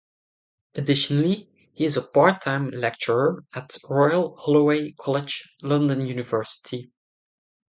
Additionally he is a part-time lecturer at Royal Holloway College, London University.